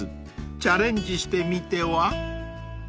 ［チャレンジしてみては？］